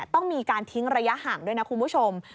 ต้องมีการทิ้งระยะห่างด้วยนะคุณผู้ชม